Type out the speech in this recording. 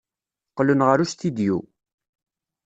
Qqlen ɣer ustidyu.